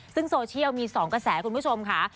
ซึ่งโซเชียลมี๒กระแสคุณผู้ชมค่ะ